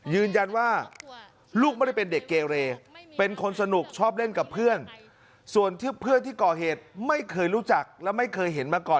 ยืนยันว่าลูกไม่ได้เป็นเด็กเกเรเป็นคนสนุกชอบเล่นกับเพื่อนส่วนที่เพื่อนที่ก่อเหตุไม่เคยรู้จักและไม่เคยเห็นมาก่อน